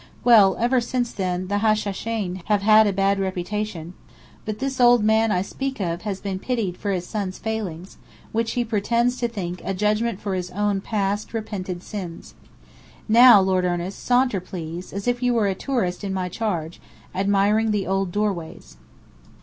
Well, ever since then the Hashasheyn have had a bad reputation; but this old man I speak of has been pitied for his son's failings, which he pretends to think a 'judgment for his own past, repented sins.' Now, Lord Ernest, saunter, please, as if you were a tourist in my charge, admiring the old doorways."